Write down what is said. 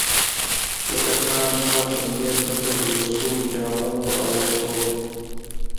له کتان او پنبې څخه جوړو شویو جامو پر اغوستو.